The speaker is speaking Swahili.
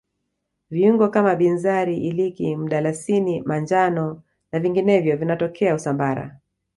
viungo kama binzari iliki mdalasini manjano na vinginevyo vinatokea usambara